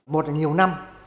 một là nhiều năm